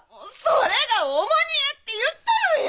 それが重荷やって言っとるんや！